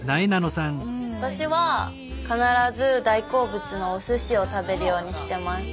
私は必ず大好物のおすしを食べるようにしてます。